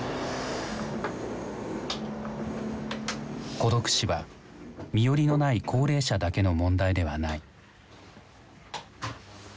孤独死は身寄りのない高齢者だけの問題ではない。